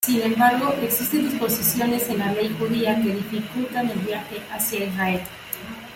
Sin embargo, existen disposiciones en la ley judía que dificultan el viaje hacia Israel.